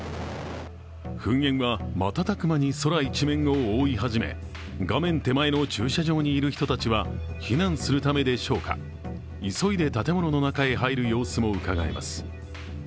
噴煙は瞬く間に空一面を覆い始め、画面手前の駐車場にいる人たちは避難するためでしょうか、急いで建物の中へ入る様子もうかがえます。